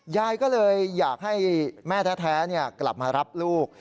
ยายก็เลยอยากให้แม่แท้กลับมารับลูก